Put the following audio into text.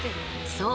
そう！